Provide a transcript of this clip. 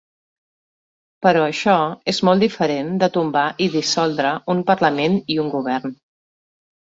Però això és molt diferent de tombar i dissoldre un parlament i un govern.